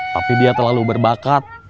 tapi dia terlalu berbakat